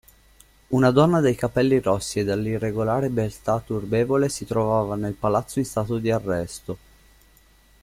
Una donna dai capelli rossi e dall'irregolare beltà turbevole si trovava nel palazzo in stato di arresto.